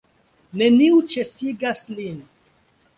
Neniu ĉesigas lin.